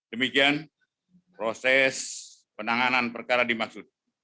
demikian proses penanganan perkara dimaksud